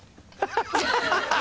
ハハハハ！